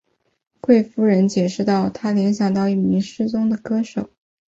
贵夫人解释道她联想到一名失踪的歌手。